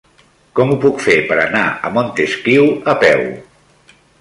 Com ho puc fer per anar a Montesquiu a peu?